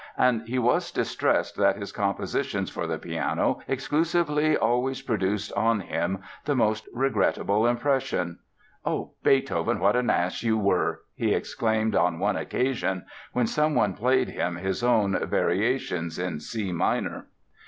And he was distressed that his compositions for the piano exclusively always produced on him the most regrettable impression. "Oh! Beethoven, what an ass you were!" he exclaimed on one occasion when someone played him his own Variations in C minor.